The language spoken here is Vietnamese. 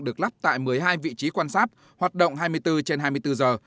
được lắp tại một mươi hai vị trí quan sát hoạt động hai mươi bốn trên hai mươi bốn giờ